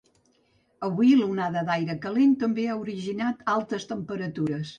Avui l’onada d’aire calent també ha originat altes temperatures.